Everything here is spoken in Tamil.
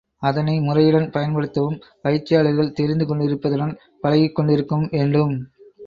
அதனை முறையுடன் பயன்படுத்தவும் பயிற்சியாளர்கள் தெரிந்து கொண்டிருப்பதுடன், பழகிக் கொண்டிருக்கவும் வேண்டும்.